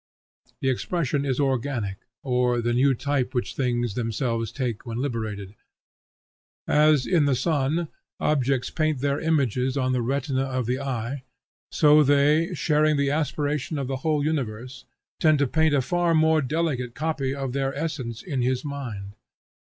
The expression is organic, or the new type which things themselves take when liberated. As, in the sun, objects paint their images on the retina of the eye, so they, sharing the aspiration of the whole universe, tend to paint a far more delicate copy of their essence in his mind.